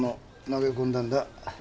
投げ込んだんだ？